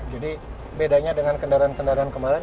jadi bedanya dengan kendaraan kendaraan kemarin